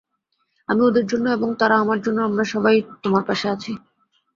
আমি ওদের জন্য এবং তারা আমার জন্য আমরা সবাই তোমার পাশে আছি।